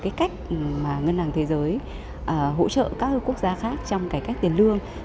cái cách mà ngân hàng thế giới hỗ trợ các quốc gia khác trong cải cách tiền lương